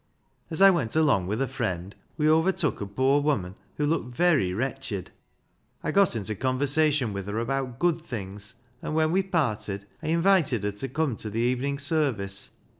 As I went along with a friend we overtook a poor woman who looked very wretched. I got into conversation with her about good things, and when we parted I invited her to come to the evening service.